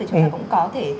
để chúng ta cũng có thể